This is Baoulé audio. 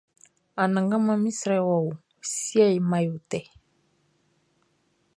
Anangaman mi srɛ wɔ o, siɛ he man yo tɛ.